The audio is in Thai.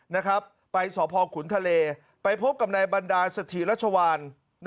ไปทหกษภพวิทยาลัยผลิตาคลุนทะเลไปพบกับในบันดาศทีรชวาน